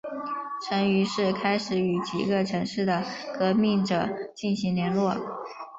陈于是开始与几个城市的革命者进行联络。